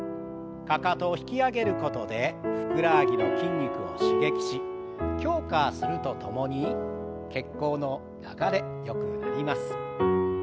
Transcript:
かかとを引き上げることでふくらはぎの筋肉を刺激し強化するとともに血行の流れよくなります。